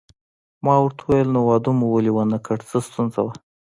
ما ورته وویل: نو واده مو ولې ونه کړ، څه ستونزه وه؟